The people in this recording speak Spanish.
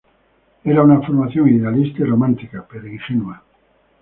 Era una formación idealista y romántica, pero ingenua.